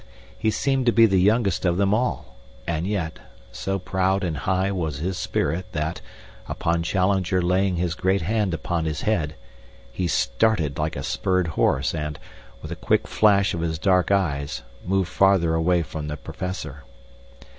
He seemed to be the youngest of them all, and yet, so proud and high was his spirit that, upon Challenger laying his great hand upon his head, he started like a spurred horse and, with a quick flash of his dark eyes, moved further away from the Professor.